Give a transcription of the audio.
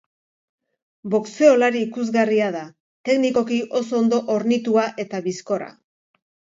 Boxeolari ikusgarria da, teknikoki oso ondo hornitua eta bizkorra.